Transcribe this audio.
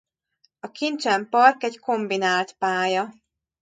A Kincsem Park egy kombinált pálya.